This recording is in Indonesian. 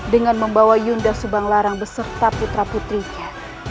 dengan membawa yunda subang larang beserta putra putrinya